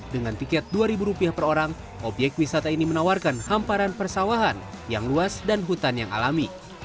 dengan tiket rp dua per orang obyek wisata ini menawarkan hamparan persawahan yang luas dan hutan yang alami